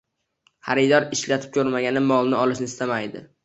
Xaridor ishlatib ko'rmagan molni olishni istamaydi.